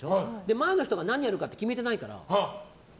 前の人が何やるか決めてないから。